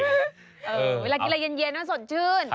เวลากินอะไรเย็นก็สดชื่น